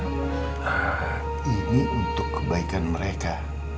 nah ini untuk kebaikan mereka